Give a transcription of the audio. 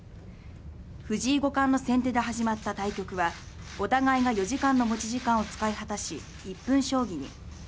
藤井五冠の先手で始まった対局は、お互いが４時間の持ち時間を使い果たし一分将棋に。